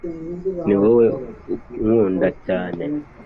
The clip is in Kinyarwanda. ni wowe unkunda cyane